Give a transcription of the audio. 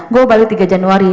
gue balik tiga januari